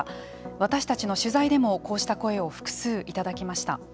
私たちの取材でもこうした声を複数いただきました。